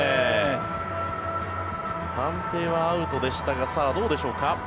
判定はアウトでしたがさあ、どうでしょうか。